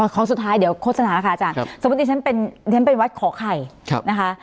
ของสุดท้ายเดี๋ยวโฆษณาค่ะอาจารย์สมมุติฉันเป็นวัดขอไข่นะคะ